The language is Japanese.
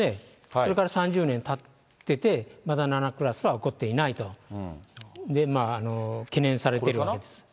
それから３０年たってて、まだ７クラスは起こっていないと、懸念されているわけです。